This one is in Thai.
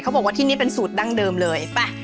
บอกว่าที่นี่เป็นสูตรดั้งเดิมเลยไป